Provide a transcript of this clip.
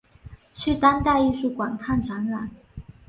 去当代艺术馆看展览